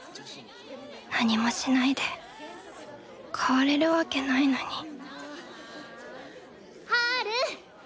何もしないで変われるわけないのにハル！